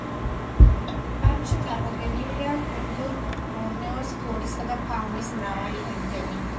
პარკში წარმოდგენილია კუნძულ ბორნეოს ფლორისა და ფაუნის მრავალი ენდემი.